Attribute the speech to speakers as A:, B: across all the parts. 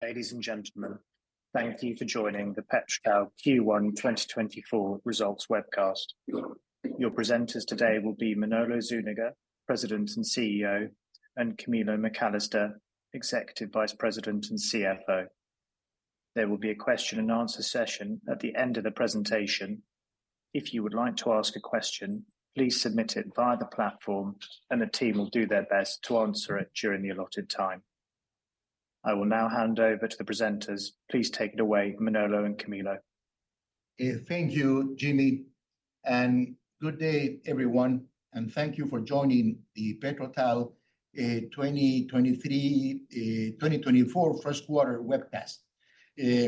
A: Ladies and gentlemen, thank you for joining the PetroTal Q1 2024 Results webcast. Your presenters today will be Manolo Zúñiga, President and CEO, and Camilo McAllister, Executive Vice President and CFO. There will be a question-and-answer session at the end of the presentation. If you would like to ask a question, please submit it via the platform, and the team will do their best to answer it during the allotted time. I will now hand over to the presenters. Please take it away, Manolo and Camilo.
B: Thank you, Jimmy. Good day, everyone, and thank you for joining the PetroTal 2024 First Quarter webcast,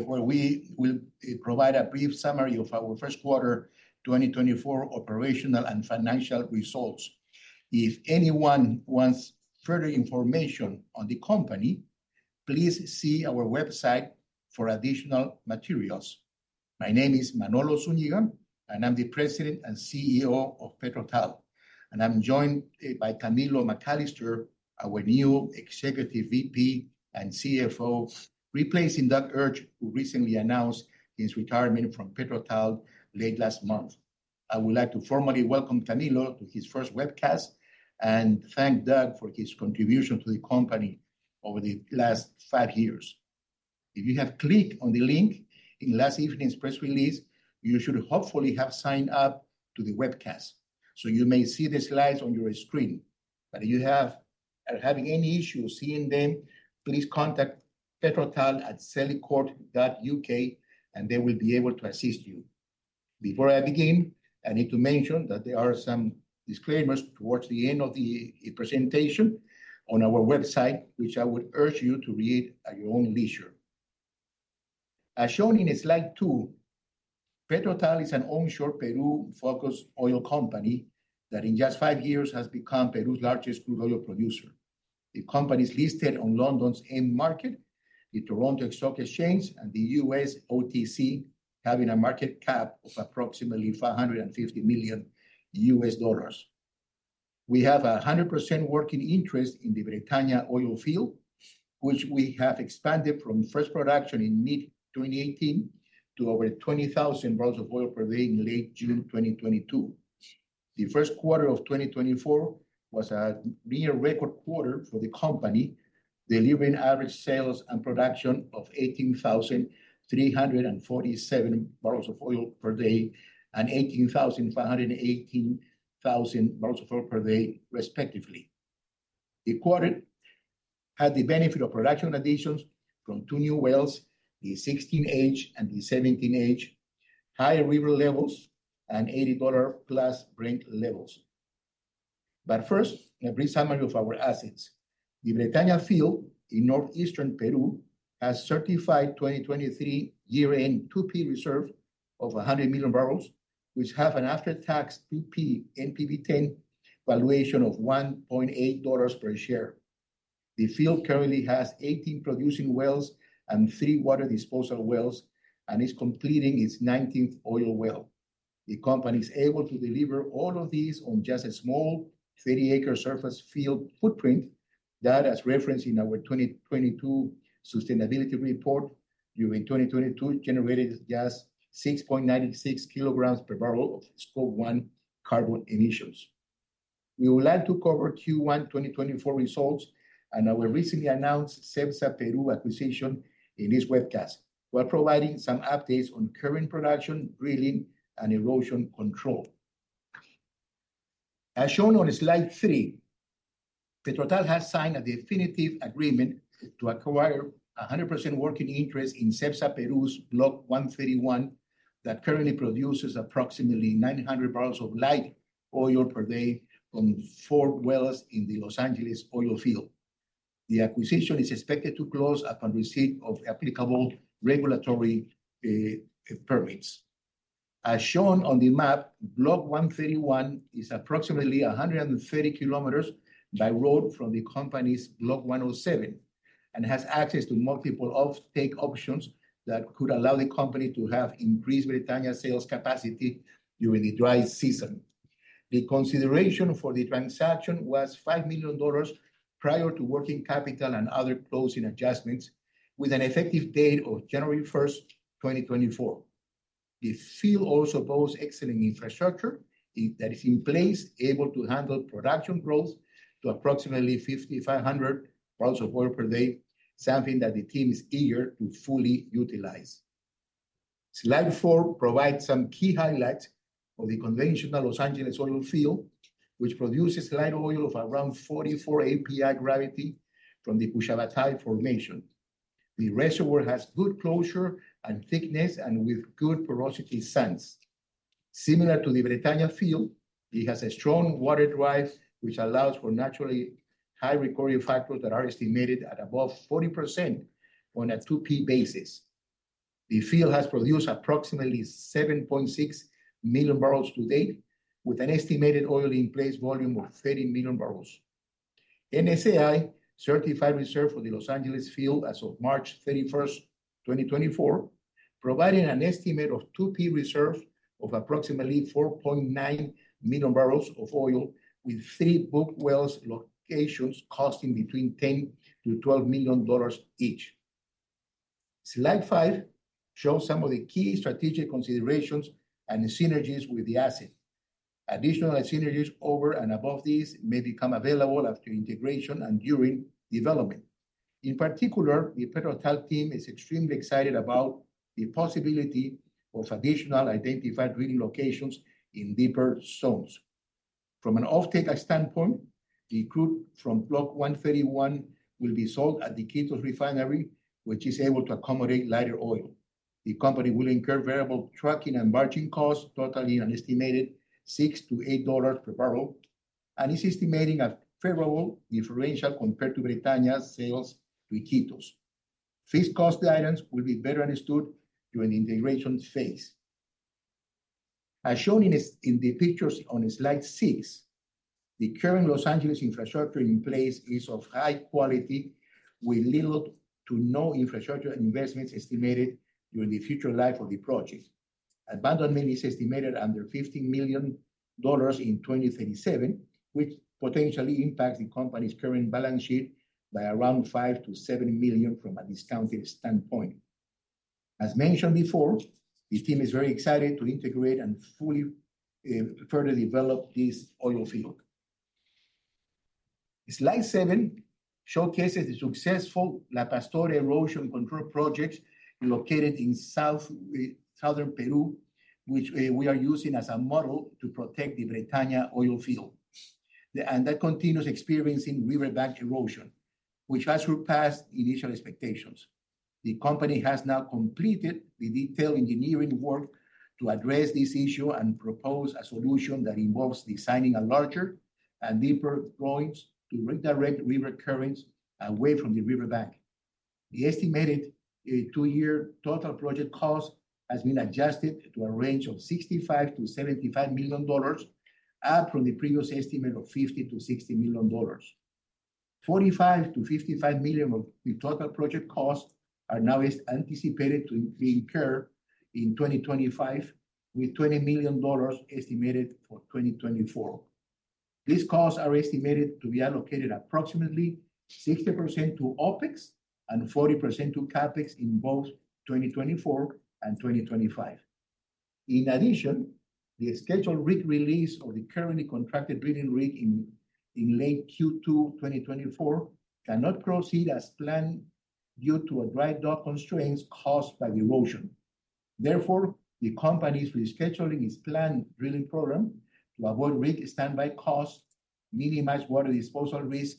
B: where we will provide a brief summary of our First Quarter 2024 Operational and Financial Results. If anyone wants further information on the company, please see our website for additional materials. My name is Manolo Zúñiga, and I'm the President and CEO of PetroTal. I'm joined by Camilo McAllister, our new Executive VP and CFO, replacing Doug Urch, who recently announced his retirement from PetroTal late last month. I would like to formally welcome Camilo to his first webcast and thank Doug for his contribution to the company over the last five years. If you have clicked on the link in last evening's press release, you should hopefully have signed up to the webcast. So you may see the slides on your screen, but if you are having any issues seeing them, please contact petrotal@celicourt.uk, and they will be able to assist you. Before I begin, I need to mention that there are some disclaimers towards the end of the presentation on our website, which I would urge you to read at your own leisure. As shown in slide two, PetroTal is an onshore Peru-focused oil company that in just five years has become Peru's largest crude oil producer. The company is listed on London's AIM market, the Toronto Stock Exchange, and the U.S. OTC, having a market cap of approximately $550 million. We have 100% working interest in the Bretaña oil field, which we have expanded from first production in mid-2018 to over 20,000 bbl of oil per day in late June 2022. The first quarter of 2024 was a near-record quarter for the company, delivering average sales and production of 18,347 bbl of oil per day and 18,518 bbl of oil per day, respectively. The quarter had the benefit of production additions from two new wells, the 16H and the 17H, higher river levels, and $80+ Brent levels. But first, a brief summary of our assets. The Bretaña field in northeastern Peru has a certified 2023 year-end 2P reserve of 100 million bbl, which have an after-tax 2P NPV10 valuation of $1.8 per share. The field currently has 18 producing wells and three water disposal wells and is completing its 19th oil well. The company is able to deliver all of these on just a small 30-acre surface field footprint that, as referenced in our 2022 sustainability report, during 2022 generated just 6.96 kg per barrel of Scope 1 carbon emissions. We would like to cover Q1 2024 results and our recently announced CEPSA Peru acquisition in this webcast while providing some updates on current production, drilling, and erosion control. As shown on slide three, PetroTal has signed a definitive agreement to acquire 100% working interest in CEPSA Peru's Block 131 that currently produces approximately 900 bbl of light oil per day from four wells in the Los Angeles Oil Field. The acquisition is expected to close upon receipt of applicable regulatory permits. As shown on the map, Block 131 is approximately 130 km by road from the company's Block 107 and has access to multiple offtake options that could allow the company to have increased Bretaña sales capacity during the dry season. The consideration for the transaction was $5 million prior to working capital and other closing adjustments, with an effective date of January 1, 2024. The field also boasts excellent infrastructure that is in place, able to handle production growth to approximately 5,500 bbl of oil per day, something that the team is eager to fully utilize. Slide four provides some key highlights of the conventional Los Angeles oil field, which produces light oil of around 44 API gravity from the Cushabatay formation. The reservoir has good closure and thickness and with good porosity sands. Similar to the Bretaña field, it has a strong water drive, which allows for naturally high recovery factors that are estimated at above 40% on a 2P basis. The field has produced approximately 7.6 million bbl to date, with an estimated oil in place volume of 30 million bbl. NSAI certified reserve for the Los Angeles field as of March 31, 2024, providing an estimate of 2P reserve of approximately 4.9 million bbl of oil, with three booked well locations costing $10 million-$12 million each. Slide five shows some of the key strategic considerations and synergies with the asset. Additional synergies over and above these may become available after integration and during development. In particular, the PetroTal team is extremely excited about the possibility of additional identified drilling locations in deeper zones. From an offtake standpoint, the crude from Block 131 will be sold at the Iquitos refinery, which is able to accommodate lighter oil. The company will incur variable trucking and marketing costs, total estimated, $6-$8 per barrel, and is estimating a favorable differential compared to Bretaña sales to Iquitos. Fixed cost items will be better understood during the integration phase. As shown in the pictures on Slide six, the current Los Angeles infrastructure in place is of high quality, with little to no infrastructure investments estimated during the future life of the project. Abandonment is estimated under $15 million in 2037, which potentially impacts the company's current balance sheet by around $5 million-$7 million from a discounted standpoint. As mentioned before, the team is very excited to integrate and fully further develop this oil field. Slide seven showcases the successful La Pastora erosion control project located in southern Peru, which we are using as a model to protect the Bretaña oil field, and that continues experiencing riverbank erosion, which has surpassed initial expectations. The company has now completed the detailed engineering work to address this issue and propose a solution that involves designing larger and deeper groynes to redirect river currents away from the riverbank. The estimated two-year total project cost has been adjusted to a range of $65 million-$75 million, up from the previous estimate of $50 million-$60 million. $45 million-$55 million of the total project costs are now anticipated to be incurred in 2025, with $20 million estimated for 2024. These costs are estimated to be allocated approximately 60% to OpEx and 40% to CapEx in both 2024 and 2025. In addition, the scheduled rig release of the currently contracted drilling rig in late Q2 2024 cannot proceed as planned due to dry dock constraints caused by erosion. Therefore, the company is rescheduling its planned drilling program to avoid rig standby costs, minimize water disposal risk,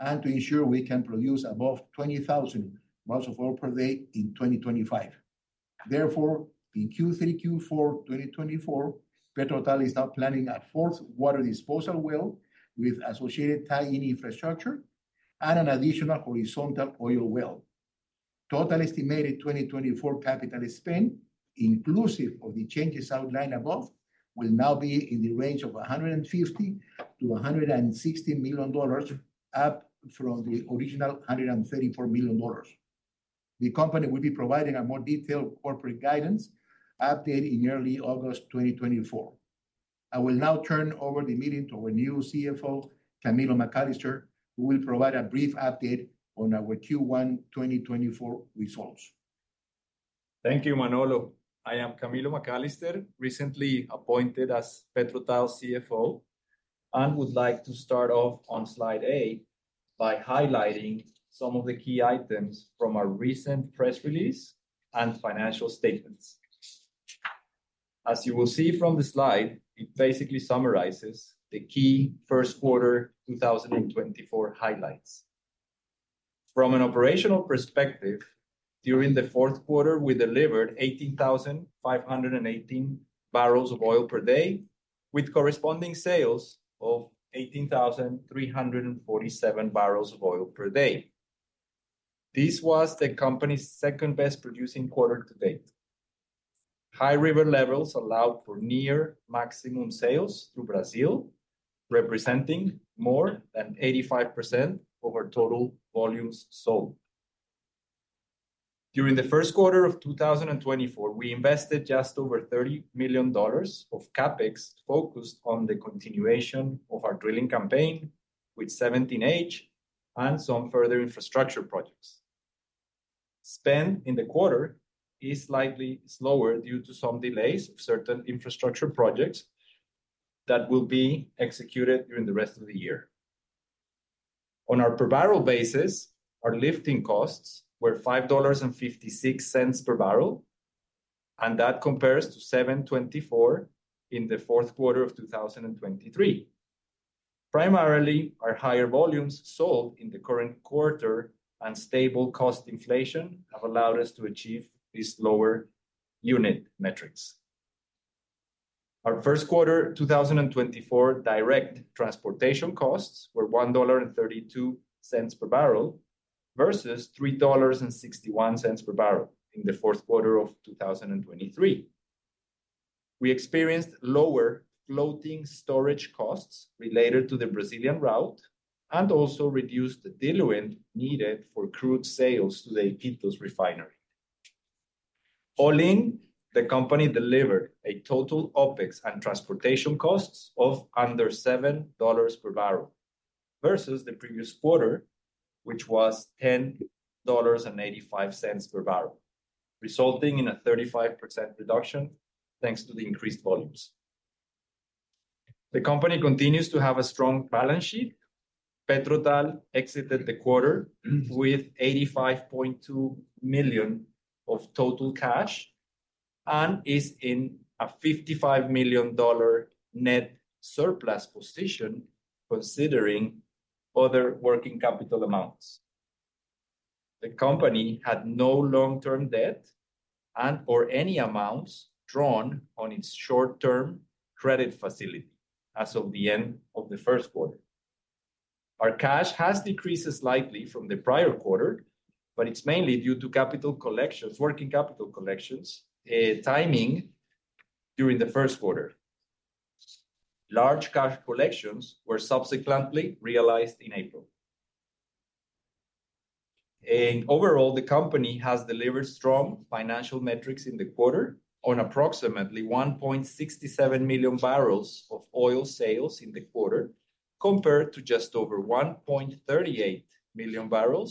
B: and to ensure we can produce above 20,000 bbl of oil per day in 2025. Therefore, in Q3-Q4 2024, PetroTal is now planning a fourth water disposal well with associated tie-in infrastructure and an additional horizontal oil well. Total estimated 2024 capital spend, inclusive of the changes outlined above, will now be in the range of $150 million-$160 million, up from the original $134 million. The company will be providing a more detailed corporate guidance update in early August 2024. I will now turn over the meeting to our new CFO, Camilo McAllister, who will provide a brief update on our Q1 2024 results.
C: Thank you, Manolo. I am Camilo McAllister, recently appointed as PetroTal CFO, and would like to start off on slide eight by highlighting some of the key items from our recent press release and financial statements. As you will see from the slide, it basically summarizes the key First Quarter 2024 highlights. From an operational perspective, during the fourth quarter, we delivered 18,518 bbl of oil per day, with corresponding sales of 18,347 bbl of oil per day. This was the company's second-best producing quarter to date. High river levels allowed for near-maximum sales through Brazil, representing more than 85% of our total volumes sold. During the first quarter of 2024, we invested just over $30 million of CapEx focused on the continuation of our drilling campaign with 17H and some further infrastructure projects. Spend in the quarter is slightly slower due to some delays of certain infrastructure projects that will be executed during the rest of the year. On a per-barrel basis, our lifting costs were $5.56 per barrel, and that compares to $7.24 in the fourth quarter of 2023. Primarily, our higher volumes sold in the current quarter and stable cost inflation have allowed us to achieve these lower unit metrics. Our First Quarter 2024 direct transportation costs were $1.32 per barrel versus $3.61 per barrel in the fourth quarter of 2023. We experienced lower floating storage costs related to the Brazilian route and also reduced the diluent needed for crude sales to the Iquitos refinery. All in, the company delivered a total OpEx and transportation costs of under $7 per barrel versus the previous quarter, which was $10.85 per barrel, resulting in a 35% reduction thanks to the increased volumes. The company continues to have a strong balance sheet. PetroTal exited the quarter with $85.2 million of total cash and is in a $55 million net surplus position, considering other working capital amounts. The company had no long-term debt and/or any amounts drawn on its short-term credit facility as of the end of the first quarter. Our cash has decreased slightly from the prior quarter, but it's mainly due to capital collections, working capital collections, timing during the first quarter. Large cash collections were subsequently realized in April. Overall, the company has delivered strong financial metrics in the quarter on approximately 1.67 million bbl of oil sales in the quarter, compared to just over 1.38 million bbl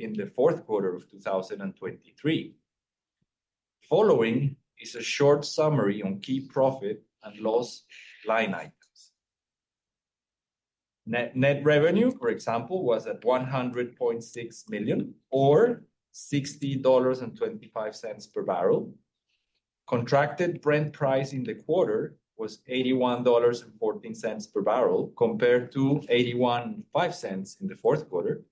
C: in the fourth quarter of 2023. Following is a short summary on key profit and loss line items. Net revenue, for example, was at $100.6 million or $60.25 per barrel. Contracted Brent price in the quarter was $81.14 per barrel, compared to $0.81 in the fourth quarter.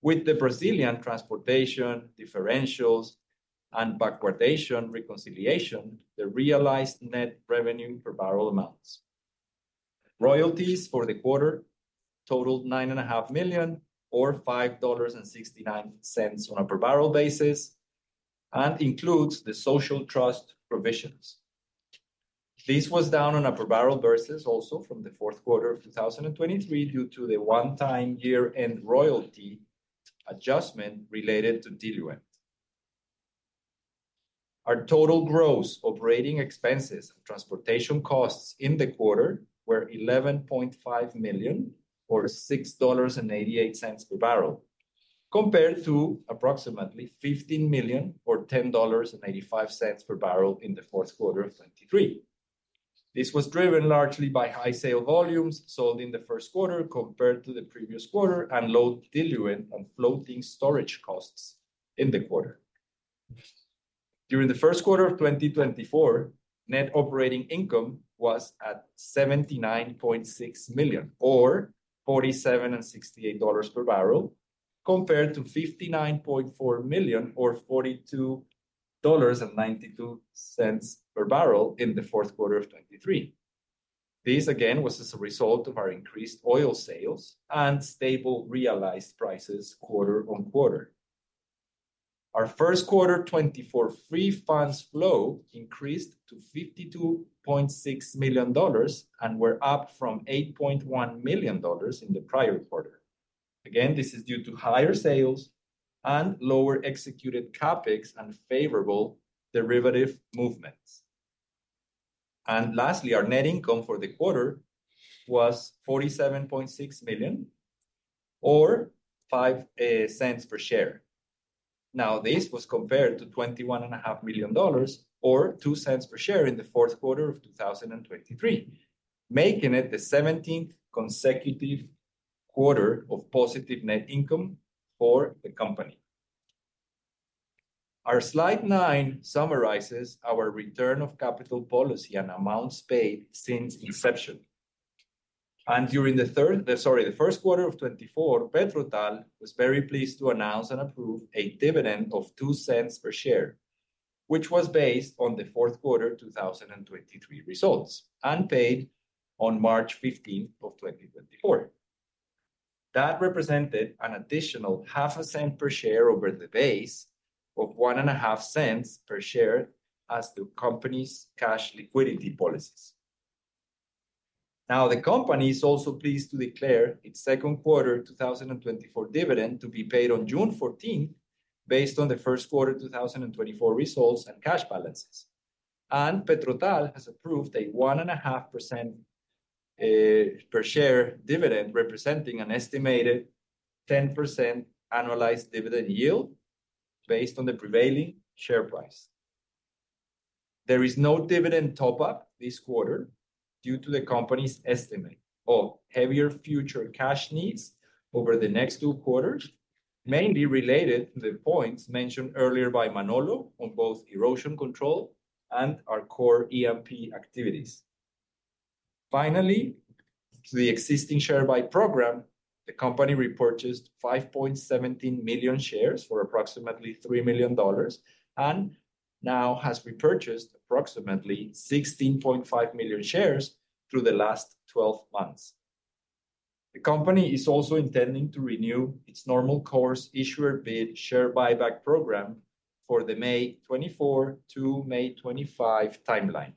C: With the Brazilian transportation differentials and backwardation reconciliation, the realized net revenue per barrel amounts. Royalties for the quarter totaled $9.5 million or $5.69 on a per-barrel basis and includes the social trust provisions. This was down on a per-barrel basis also from the fourth quarter of 2023 due to the one-time year-end royalty adjustment related to diluent. Our total gross operating expenses and transportation costs in the quarter were $11.5 million or $6.88 per barrel, compared to approximately $15 million or $10.85 per barrel in the fourth quarter of 2023. This was driven largely by high sale volumes sold in the first quarter compared to the previous quarter and low diluent and floating storage costs in the quarter. During the first quarter of 2024, net operating income was at $79.6 million or $47.68 per barrel, compared to $59.4 million or $42.92 per barrel in the fourth quarter of 2023. This, again, was as a result of our increased oil sales and stable realized prices quarter-on-quarter. Our First Quarter 2024 free funds flow increased to $52.6 million and were up from $8.1 million in the prior quarter. Again, this is due to higher sales and lower executed CapEx and favorable derivative movements. And lastly, our net income for the quarter was $47.6 million or $0.05 per share. Now, this was compared to $21.5 million or $0.02 per share in the fourth quarter of 2023, making it the 17th consecutive quarter of positive net income for the company. Our slide nine summarizes our return of capital policy and amounts paid since inception. And during the third, sorry, the first quarter of 2024, PetroTal was very pleased to announce and approve a dividend of $0.02 per share, which was based on the fourth quarter 2023 results and paid on March 15, 2024. That represented an additional $0.005 per share over the base of $0.015 per share as the company's cash liquidity policies. Now, the company is also pleased to declare its second quarter 2024 dividend to be paid on June 14, based on the first quarter 2024 results and cash balances. And PetroTal has approved a 1.5% per share dividend, representing an estimated 10% annualized dividend yield based on the prevailing share price. There is no dividend top-up this quarter due to the company's estimate of heavier future cash needs over the next two quarters, mainly related to the points mentioned earlier by Manolo on both erosion control and our core E&P activities. Finally, to the existing share buy program, the company repurchased 5.17 million shares for approximately $3 million and now has repurchased approximately 16.5 million shares through the last 12 months. The company is also intending to renew its normal course issuer bid share buyback program for the May 2024 to May 2025 timeline,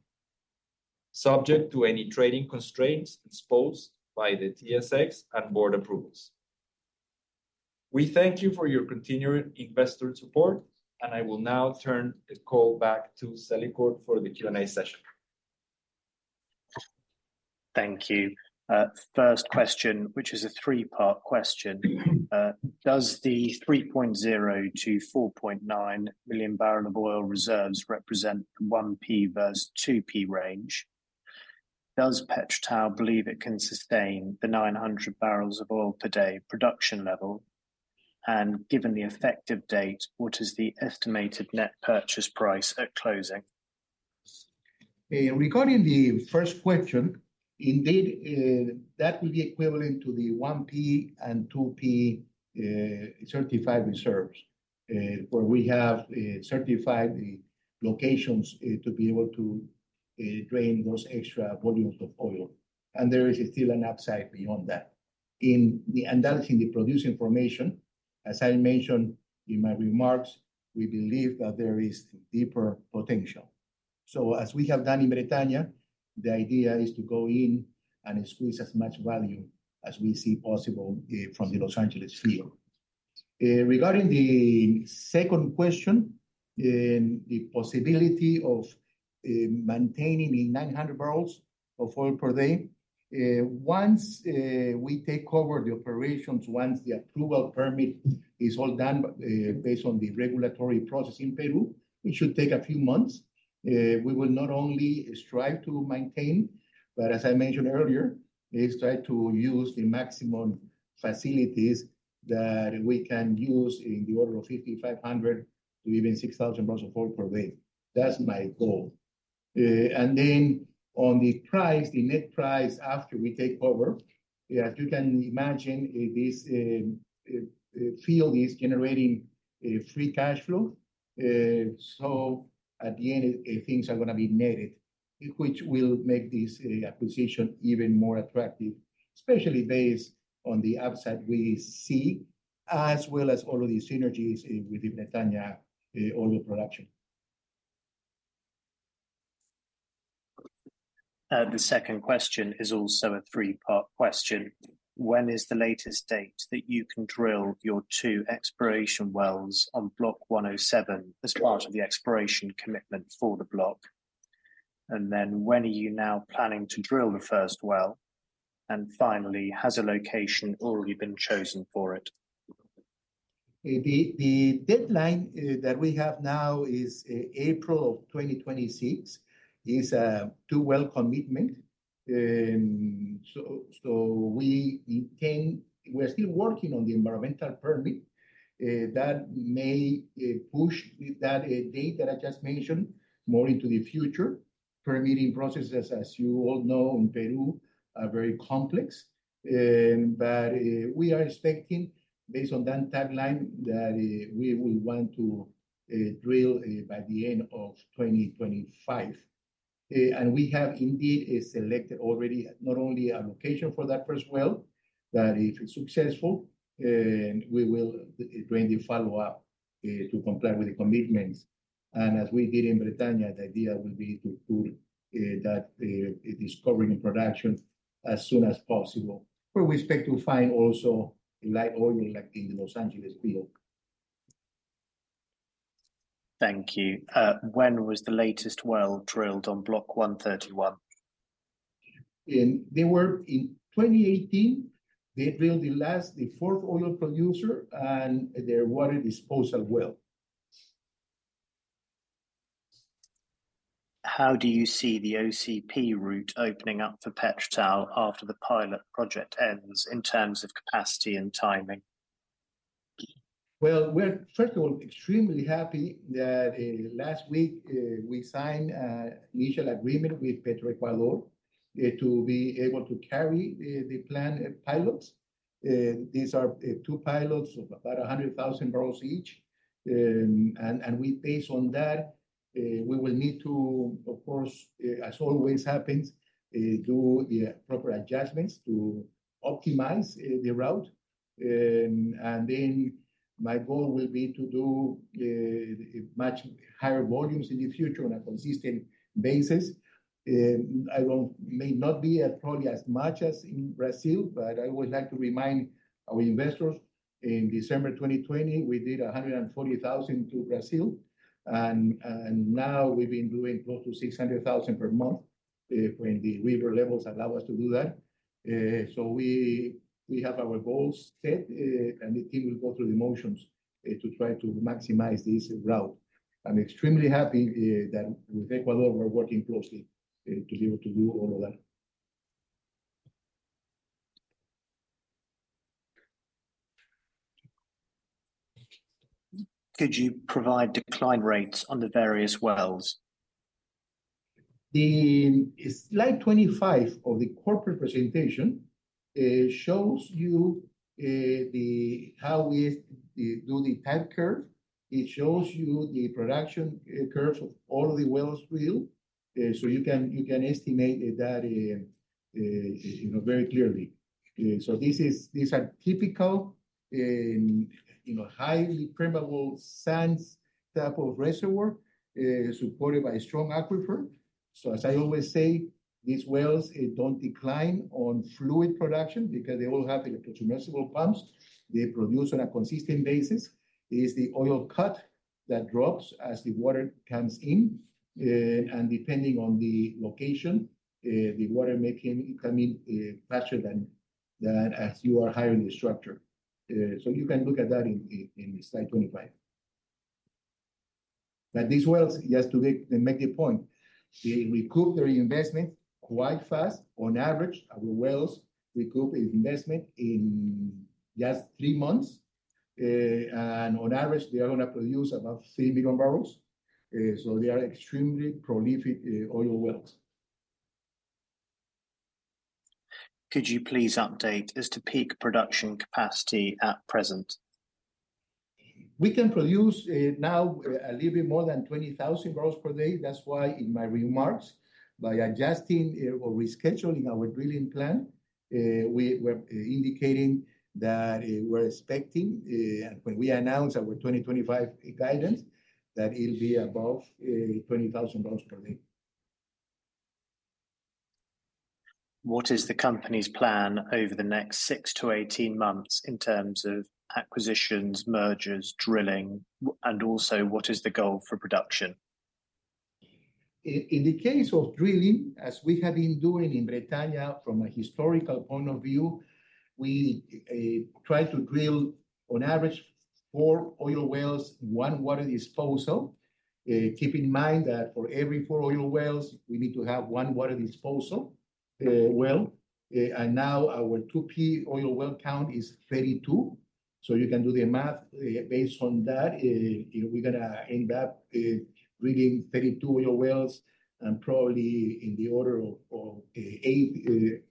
C: subject to any trading constraints exposed by the TSX and board approvals. We thank you for your continued investor support, and I will now turn the call back to Celicourt for the Q&A session.
A: Thank you. First question, which is a three-part question. Does the 3.0 million-4.9 million bbl of oil reserves represent the 1P versus 2P range? Does PetroTal believe it can sustain the 900 bbl of oil per day production level? And given the effective date, what is the estimated net purchase price at closing?
B: Regarding the first question, indeed, that would be equivalent to the 1P and 2P certified reserves, where we have certified the locations to be able to drain those extra volumes of oil. There is still an upside beyond that. That is in the producing formation. As I mentioned in my remarks, we believe that there is deeper potential. So, as we have done in Bretaña, the idea is to go in and squeeze as much value as we see possible from the Los Angeles field. Regarding the second question, the possibility of maintaining the 900 bbl of oil per day, once we take over the operations, once the approval permit is all done based on the regulatory process in Peru, it should take a few months. We will not only strive to maintain, but as I mentioned earlier, strive to use the maximum facilities that we can use in the order of 5,500-6,000 bbl of oil per day. That's my goal. Then on the price, the net price after we take over, as you can imagine, this field is generating free cash flow. So, at the end, things are going to be netted, which will make this acquisition even more attractive, especially based on the upside we see, as well as all of these synergies with the Bretaña oil production.
A: The second question is also a three-part question. When is the latest date that you can drill your two exploration wells on Block 107 as part of the exploration commitment for the block? And then when are you now planning to drill the first well? And finally, has a location already been chosen for it?
B: The deadline that we have now is April of 2026. It's a two-well commitment. So we're still working on the environmental permit. That may push that date that I just mentioned more into the future. Permitting processes, as you all know, in Peru are very complex. But we are expecting, based on that timeline, that we will want to drill by the end of 2025. And we have indeed selected already not only a location for that first well, but if it's successful, we will drain the follow-up to comply with the commitments. And as we did in Bretaña, the idea will be to put that discovery in production as soon as possible, where we expect to find also light oil in the Los Angeles field.
A: Thank you. When was the latest well drilled on Block 131?
B: They were in 2018. They drilled the last, the fourth oil producer and their water disposal well.
A: How do you see the OCP route opening up for PetroTal after the pilot project ends in terms of capacity and timing?
B: Well, we're, first of all, extremely happy that last week we signed an initial agreement with Petroecuador to be able to carry the pilot plans. These are two pilots of about 100,000 bbl each. Based on that, we will need to, of course, as always happens, do the proper adjustments to optimize the route. Then my goal will be to do much higher volumes in the future on a consistent basis. I may not be at probably as much as in Brazil, but I would like to remind our investors. In December 2020, we did 140,000 to Brazil. Now we've been doing close to 600,000 per month when the river levels allow us to do that. So we have our goals set, and the team will go through the motions to try to maximize this route. I'm extremely happy that with Ecuador, we're working closely to be able to do all of that.
A: Could you provide decline rates on the various wells?
B: The slide 25 of the corporate presentation shows you how we do the type curve. It shows you the production curves of all of the wells drilled. So you can estimate that very clearly. So these are typical, highly permeable sand type of reservoir supported by a strong aquifer. So, as I always say, these wells don't decline on fluid production because they all have electric submersible pumps. They produce on a consistent basis. It's the oil cut that drops as the water comes in. And depending on the location, the water may come in faster than as you are higher in the structure. So you can look at that in slide 25. But these wells, just to make the point, they recoup their investment quite fast. On average, our wells recoup investment in just three months. And on average, they are going to produce about 3 million bbl. They are extremely prolific oil wells.
A: Could you please update as to peak production capacity at present?
B: We can produce now a little bit more than 20,000 bbl per day. That's why in my remarks, by adjusting or rescheduling our drilling plan, we were indicating that we're expecting, and when we announced our 2025 guidance, that it'll be above 20,000 bbl per day.
A: What is the company's plan over the next 6-18 months in terms of acquisitions, mergers, drilling, and also what is the goal for production?
B: In the case of drilling, as we have been doing in Bretaña from a historical point of view, we try to drill, on average, four oil wells, one water disposal, keeping in mind that for every four oil wells, we need to have one water disposal well. Now our 2P oil well count is 32. So you can do the math based on that. We're going to end up drilling 32 oil wells and probably in the order of eight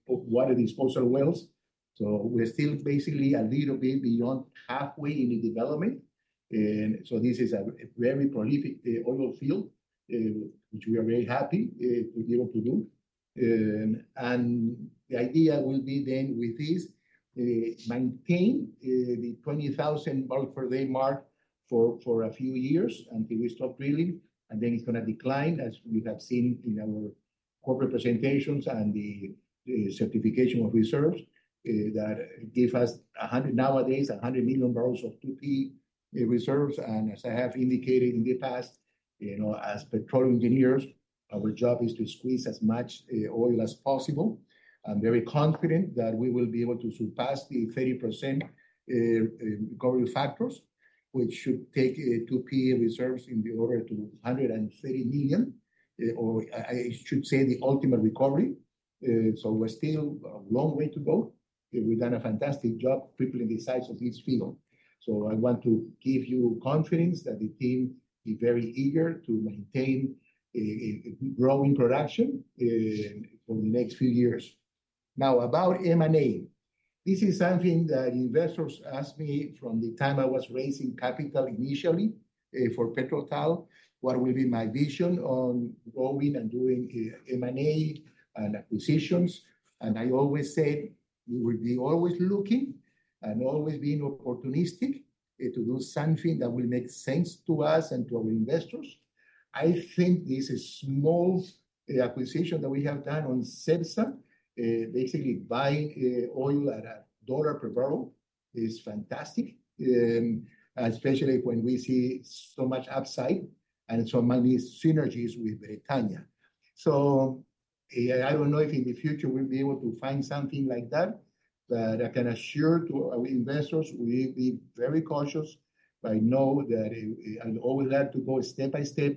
B: water disposal wells. So we're still basically a little bit beyond halfway in the development. So this is a very prolific oil field, which we are very happy to be able to do. And the idea will be then with this, maintain the 20,000 barrel per day mark for a few years until we stop drilling. Then it's going to decline, as we have seen in our corporate presentations and the certification of reserves that give us nowadays 100 million bbl of 2P reserves. As I have indicated in the past, as petroleum engineers, our job is to squeeze as much oil as possible. I'm very confident that we will be able to surpass the 30% recovery factors, which should take 2P reserves in the order of 130 million, or I should say the ultimate recovery. We're still a long way to go. We've done a fantastic job tripling the size of this field. I want to give you confidence that the team is very eager to maintain growing production for the next few years. Now, about M&A, this is something that investors asked me from the time I was raising capital initially for PetroTal, what will be my vision on growing and doing M&A and acquisitions. And I always said we would be always looking and always being opportunistic to do something that will make sense to us and to our investors. I think this small acquisition that we have done on CEPSA, basically buying oil at $1 per barrel, is fantastic, especially when we see so much upside and so many synergies with Bretaña. So I don't know if in the future we'll be able to find something like that. But I can assure our investors, we'll be very cautious, but I know that I'd always like to go step by step.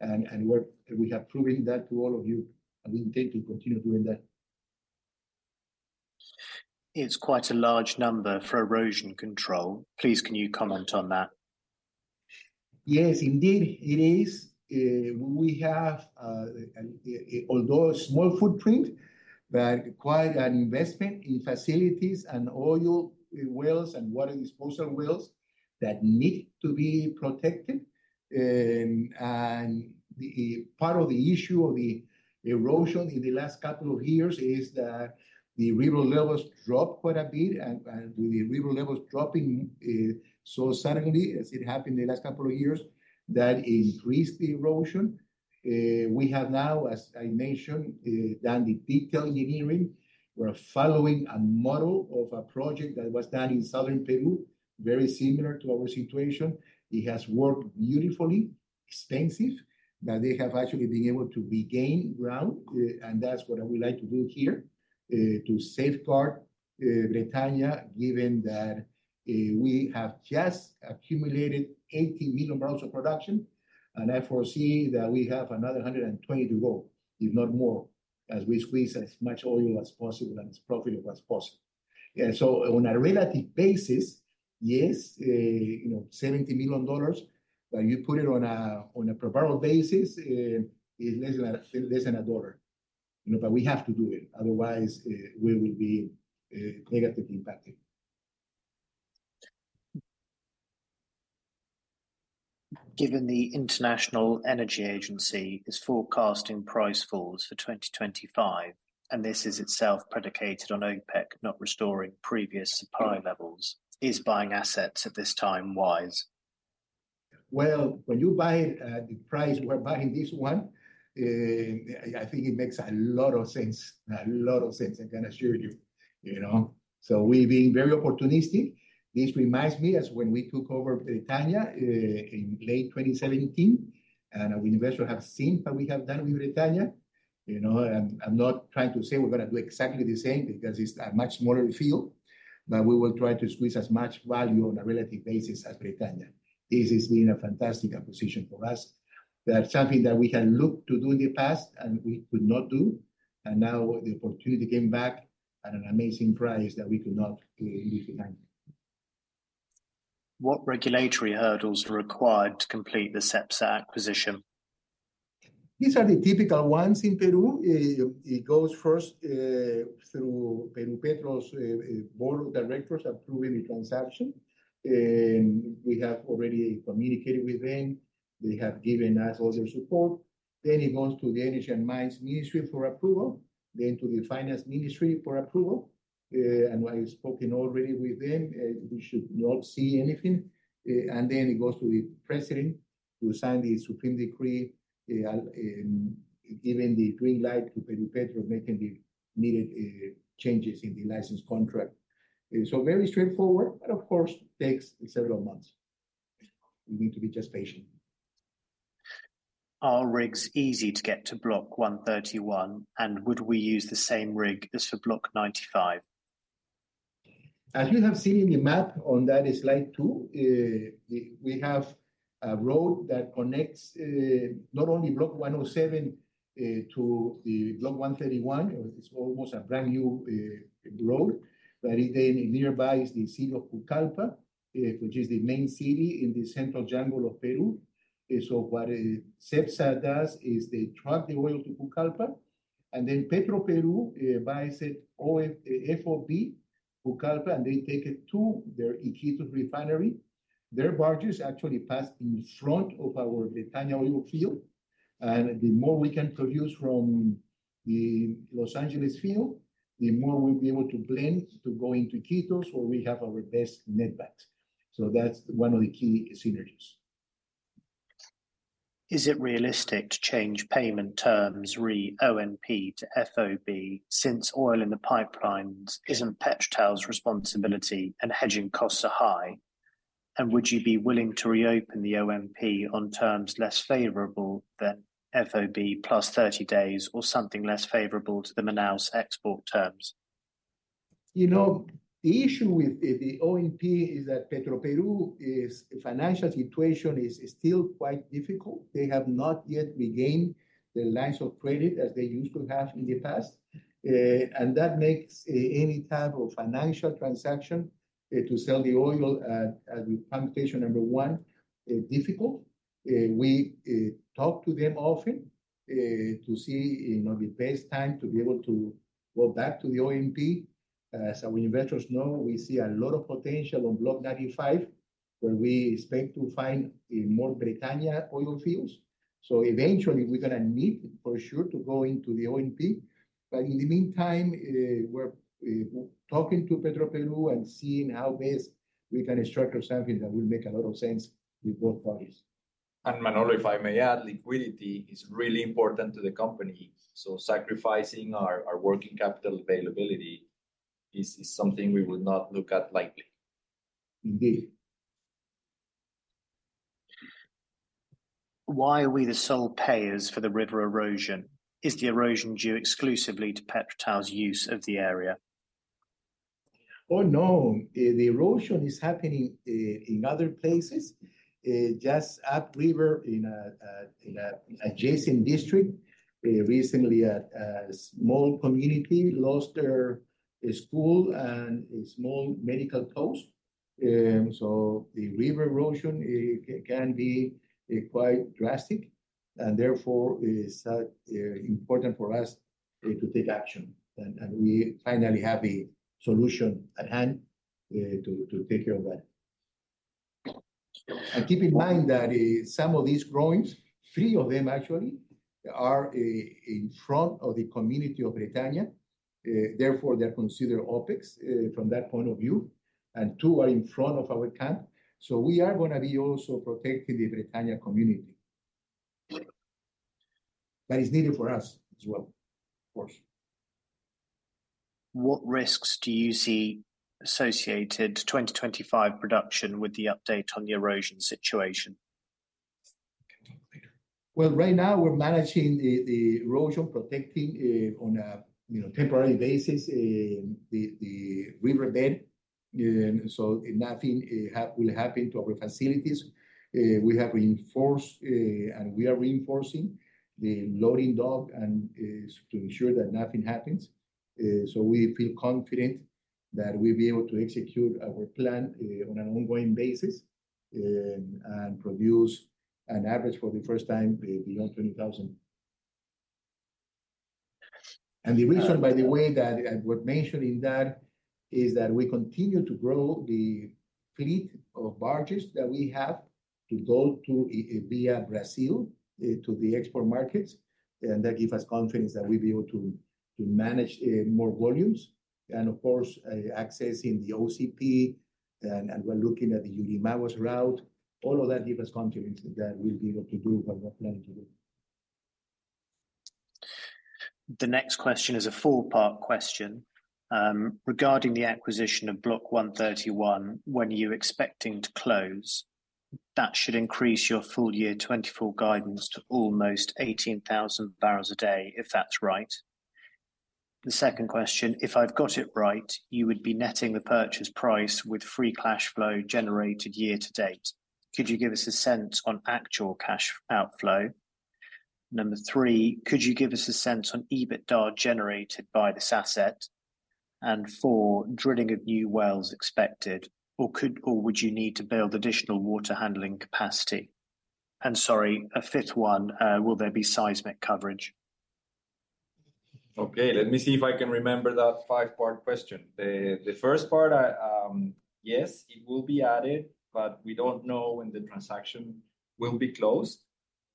B: And we have proven that to all of you. And we intend to continue doing that.
A: It's quite a large number for erosion control. Please, can you comment on that?
B: Yes, indeed, it is. We have, although a small footprint, but quite an investment in facilities and oil wells and water disposal wells that need to be protected. And part of the issue of the erosion in the last couple of years is that the river levels dropped quite a bit. And with the river levels dropping so suddenly, as it happened in the last couple of years, that increased the erosion. We have now, as I mentioned, done the detailed engineering. We're following a model of a project that was done in southern Peru, very similar to our situation. It has worked beautifully, expensive, but they have actually been able to regain ground. And that's what we like to do here, to safeguard Bretaña given that we have just accumulated 80 million bbl of production. I foresee that we have another 120 million to go, if not more, as we squeeze as much oil as possible and as profitable as possible. On a relative basis, yes, $70 million, but you put it on a proper basis, it's less than a dollar. We have to do it. Otherwise, we will be negatively impacted.
A: Given the International Energy Agency is forecasting price falls for 2025, and this is itself predicated on OPEC not restoring previous supply levels, is buying assets at this time wise?
B: Well, when you buy at the price we're buying this one, I think it makes a lot of sense, a lot of sense, I can assure you. So we've been very opportunistic. This reminds me of when we took over Bretaña in late 2017. And we investors have seen what we have done with Bretaña. I'm not trying to say we're going to do exactly the same because it's a much smaller field. But we will try to squeeze as much value on a relative basis as Bretaña. This has been a fantastic acquisition for us. That's something that we had looked to do in the past and we could not do. And now the opportunity came back at an amazing price that we could not leave behind.
A: What regulatory hurdles are required to complete the CEPSA acquisition?
B: These are the typical ones in Peru. It goes first through Petroperú's board of directors approving the transaction. We have already communicated with them. They have given us all their support. Then it goes to the Energy and Mines Ministry for approval, then to the Finance Ministry for approval. And I spoke already with them. We should not see anything. And then it goes to the president who signed the Supreme Decree giving the green light to Petroperú making the needed changes in the license contract. So very straightforward, but of course, takes several months. We need to be just patient.
A: Are rigs easy to get to Block 131? And would we use the same rig as for Block 95?
B: As you have seen in the map on that slide two, we have a road that connects not only Block 107 to Block 131. It's almost a brand new road. But then nearby is the city of Pucallpa, which is the main city in the central jungle of Peru. So what CEPSA does is they truck the oil to Pucallpa. And then Petroperú buys it, FOB Pucallpa, and they take it to their Iquitos refinery. Their barges actually pass in front of our Bretaña oil field. And the more we can produce from the Los Angeles field, the more we'll be able to blend to go into Iquitos, where we have our best netback. So that's one of the key synergies.
A: Is it realistic to change payment terms, on the ONP, to FOB since oil in the pipelines isn't PetroTal's responsibility and hedging costs are high? And would you be willing to reopen the ONP on terms less favorable than FOB +30 days or something less favorable to the Manaus export terms?
B: The issue with the ONP is that Petroperú's financial situation is still quite difficult. They have not yet regained the lines of credit as they used to have in the past. That makes any type of financial transaction to sell the oil, as with pump station number one, difficult. We talk to them often to see the best time to be able to go back to the ONP. As our investors know, we see a lot of potential on Block 95, where we expect to find more Bretaña oil fields. So eventually, we're going to need for sure to go into the ONP. But in the meantime, we're talking to Petroperú and seeing how best we can structure something that will make a lot of sense with both parties.
C: Manolo, if I may add, liquidity is really important to the company. Sacrificing our working capital availability is something we would not look at lightly.
B: Indeed.
A: Why are we the sole payers for the river erosion? Is the erosion due exclusively to PetroTal's use of the area?
B: Oh, no. The erosion is happening in other places. Just upriver in an adjacent district, recently, a small community lost their school and a small medical post. So the river erosion can be quite drastic. And therefore, it's important for us to take action. And we finally have a solution at hand to take care of that. And keep in mind that some of these groynes, three of them actually, are in front of the community of Bretaña. Therefore, they're considered OpEx from that point of view. And two are in front of our camp. So we are going to be also protecting the Bretaña community. But it's needed for us as well, of course.
A: What risks do you see associated to 2025 production with the update on the erosion situation?
B: Well, right now, we're managing the erosion, protecting on a temporary basis the riverbed. So nothing will happen to our facilities. We have reinforced and we are reinforcing the loading dock to ensure that nothing happens. So we feel confident that we'll be able to execute our plan on an ongoing basis and produce an average for the first time beyond 20,000. And the reason, by the way, that I was mentioning that is that we continue to grow the fleet of barges that we have to go via Brazil to the export markets. And that gives us confidence that we'll be able to manage more volumes. And of course, accessing the OCP, and we're looking at the Yurimaguas route. All of that gives us confidence that we'll be able to do what we're planning to do.
A: The next question is a four-part question. Regarding the acquisition of Block 131, when are you expecting to close? That should increase your full year 2024 guidance to almost 18,000 bbl a day, if that's right. The second question, if I've got it right, you would be netting the purchase price with free cash flow generated year to date. Could you give us a sense on actual cash outflow? Number three, could you give us a sense on EBITDA generated by this asset? And four, drilling of new wells expected, or would you need to build additional water handling capacity? And sorry, a fifth one, will there be seismic coverage?
C: Okay, let me see if I can remember that five part question. The first part, yes, it will be added, but we don't know when the transaction will be closed.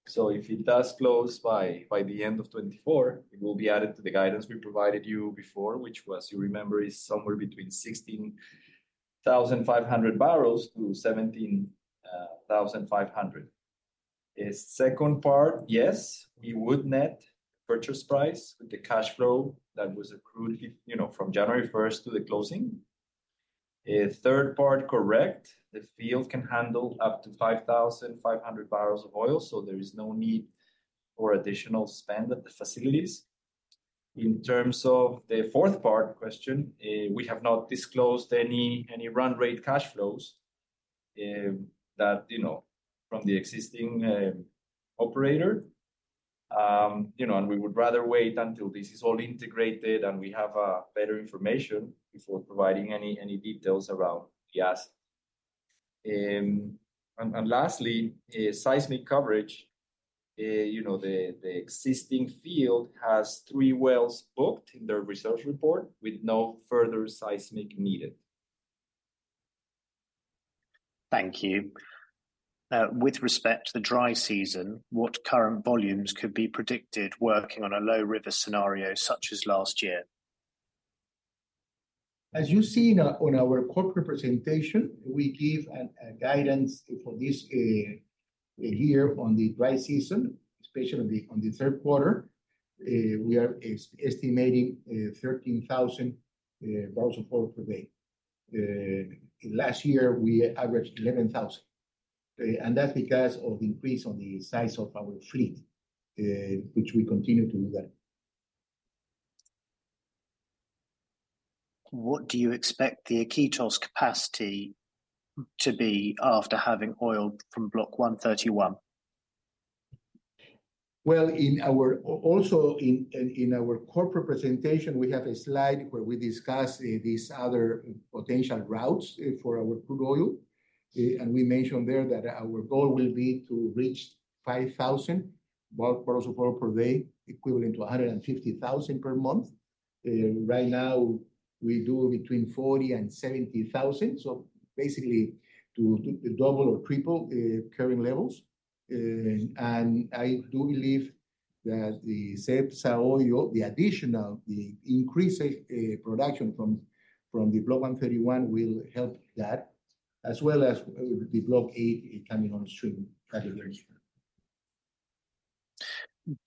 C: So if it does close by the end of 2024, it will be added to the guidance we provided you before, which was, you remember, somewhere between 16,500-17,500 bbl. Second part, yes, we would net purchase price with the cash flow that was accrued from January 1st to the closing. Third part, correct, the field can handle up to 5,500 bbl of oil. So there is no need for additional spend at the facilities. In terms of the fourth part question, we have not disclosed any run rate cash flows from the existing operator. And we would rather wait until this is all integrated and we have better information before providing any details around the asset. And lastly, seismic coverage, the existing field has three wells booked in their resource report with no further seismic needed.
A: Thank you. With respect to the dry season, what current volumes could be predicted working on a low river scenario such as last year?
B: As you see on our corporate presentation, we give guidance for this year on the dry season, especially on the third quarter. We are estimating 13,000 bbl of oil per day. Last year, we averaged 11,000. That's because of the increase on the size of our fleet, which we continue to do that.
A: What do you expect the Iquitos capacity to be after having oil from Block 131?
B: Well, also in our corporate presentation, we have a slide where we discuss these other potential routes for our crude oil. And we mentioned there that our goal will be to reach 5,000 bbl of oil per day, equivalent to 150,000 per month. Right now, we do between 40,000 and 70,000. So basically, to double or triple current levels. And I do believe that the additional increase in production from the Block 131 will help that, as well as the Block eight coming on stream at the very start.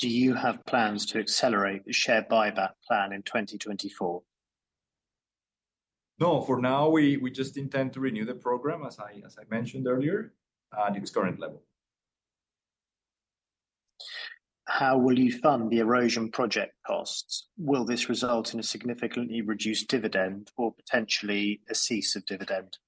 A: Do you have plans to accelerate the share buyback plan in 2024?
C: No, for now, we just intend to renew the program, as I mentioned earlier, at its current level.
A: How will you fund the erosion project costs? Will this result in a significantly reduced dividend or potentially a cease of dividend?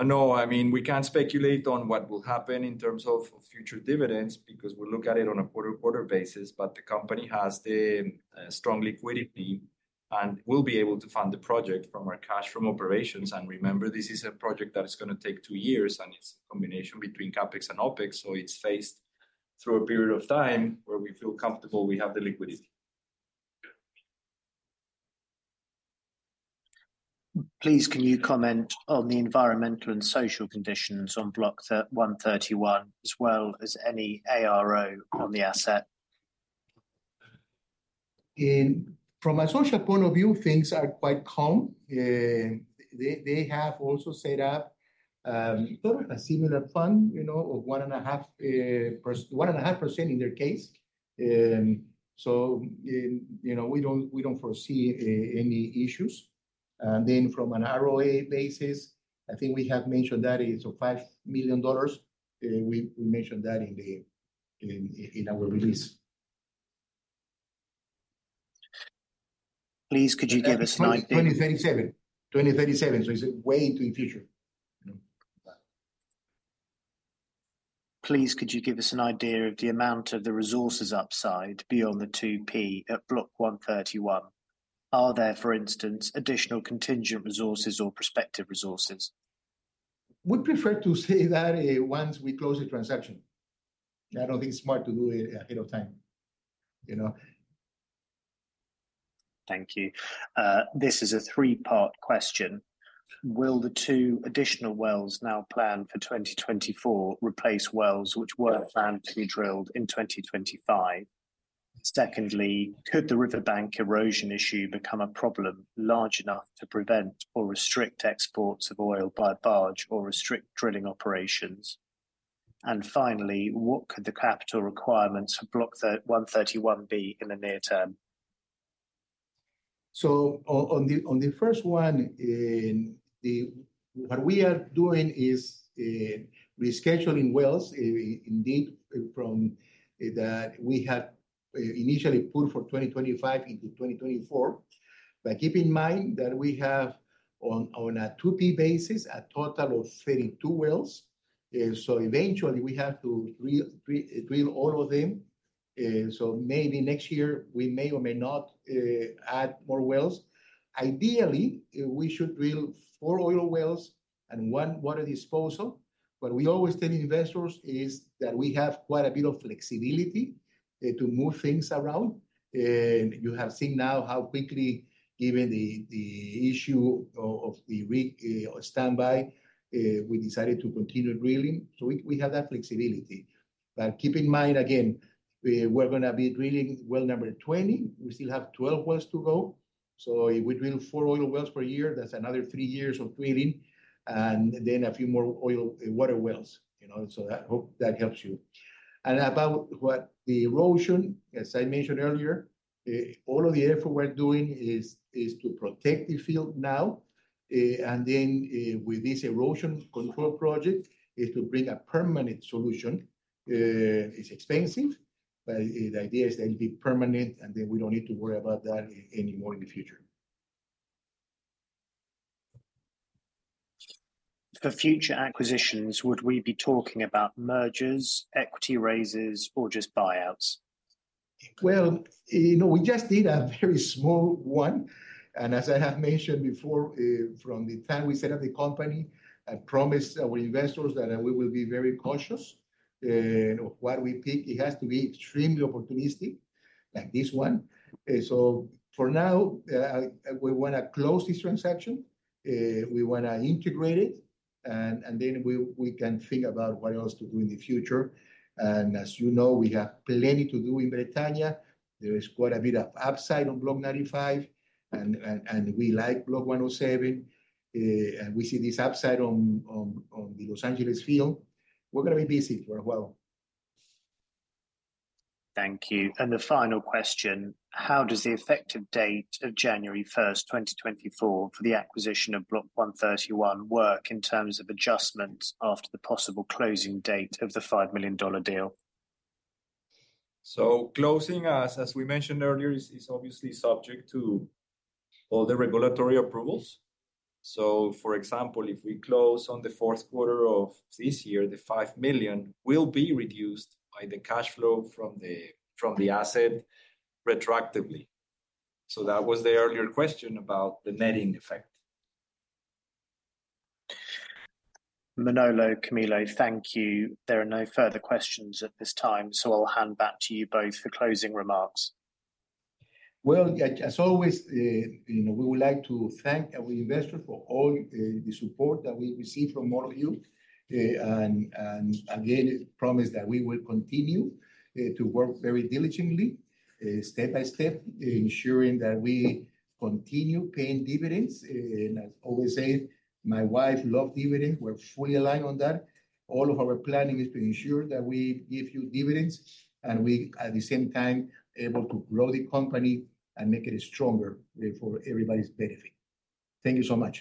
C: No, I mean, we can't speculate on what will happen in terms of future dividends because we look at it on a quarter-to-quarter basis. But the company has the strong liquidity and will be able to fund the project from our cash from operations. And remember, this is a project that is going to take two years, and it's a combination between CapEx and OpEx. So it's faced through a period of time where we feel comfortable we have the liquidity.
A: Please, can you comment on the environmental and social conditions on Block 131, as well as any ARO on the asset?
B: From a social point of view, things are quite calm. They have also set up sort of a similar fund of 1.5% in their case. So we don't foresee any issues. And then from an ARO basis, I think we have mentioned that it's $5 million. We mentioned that in our release.
A: Please, could you give us an idea?
B: 2037. 2037. So it's way into the future.
A: Please, could you give us an idea of the amount of the resources upside beyond the 2P at Block 131? Are there, for instance, additional contingent resources or prospective resources?
B: We'd prefer to say that once we close the transaction. I don't think it's smart to do it ahead of time.
A: Thank you. This is a three-part question. Will the two additional wells now planned for 2024 replace wells which were planned to be drilled in 2025? Secondly, could the riverbank erosion issue become a problem large enough to prevent or restrict exports of oil by a barge or restrict drilling operations? And finally, what could the capital requirements for Block 131 be in the near term?
B: So on the first one, what we are doing is rescheduling wells, indeed, from that we had initially put for 2025 into 2024. But keep in mind that we have, on a 2P basis, a total of 32 wells. So eventually, we have to drill all of them. So maybe next year, we may or may not add more wells. Ideally, we should drill four oil wells and one water disposal. What we always tell investors is that we have quite a bit of flexibility to move things around. You have seen now how quickly, given the issue of the standby, we decided to continue drilling. So we have that flexibility. But keep in mind, again, we're going to be drilling well number 20. We still have 12 wells to go. So if we drill four oil wells per year, that's another three years of drilling and then a few more oil and water wells. So I hope that helps you. And about the erosion, as I mentioned earlier, all of the effort we're doing is to protect the field now. And then with this erosion control project, it's to bring a permanent solution. It's expensive, but the idea is that it'll be permanent, and then we don't need to worry about that anymore in the future.
A: For future acquisitions, would we be talking about mergers, equity raises, or just buyouts?
B: Well, we just did a very small one. As I have mentioned before, from the time we set up the company, I promised our investors that we will be very cautious of what we pick. It has to be extremely opportunistic, like this one. For now, we want to close this transaction. We want to integrate it. Then we can think about what else to do in the future. As you know, we have plenty to do in Bretaña. There is quite a bit of upside on Block 95. We like Block 107. We see this upside on the Los Angeles field. We're going to be busy for a while.
A: Thank you. The final question, how does the effective date of January 1st, 2024, for the acquisition of Block 131 work in terms of adjustments after the possible closing date of the $5 million deal?
C: So closing, as we mentioned earlier, is obviously subject to all the regulatory approvals. So for example, if we close on the fourth quarter of this year, the $5 million will be reduced by the cash flow from the asset retroactively. So that was the earlier question about the netting effect.
A: Manolo, Camilo, thank you. There are no further questions at this time, so I'll hand back to you both for closing remarks.
B: Well, as always, we would like to thank our investors for all the support that we receive from all of you. And again, promise that we will continue to work very diligently, step by step, ensuring that we continue paying dividends. And as always said, my wife loves dividends. We're fully aligned on that. All of our planning is to ensure that we give you dividends and we, at the same time, are able to grow the company and make it stronger for everybody's benefit. Thank you so much.